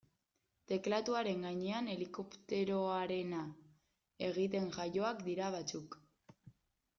Teklatuaren gainean helikopteroarena egiten jaioak dira batzuk.